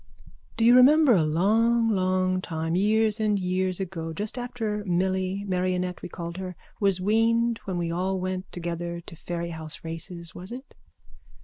_ Do you remember a long long time, years and years ago, just after Milly, Marionette we called her, was weaned when we all went together to Fairyhouse races, was it?